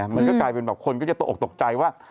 มันก็กลายเป็นแบบคนก็จะตกออกตกใจว่า